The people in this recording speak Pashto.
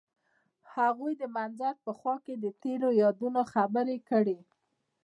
هغوی د منظر په خوا کې تیرو یادونو خبرې کړې.